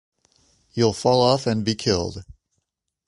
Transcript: You’ll fall off and be killed.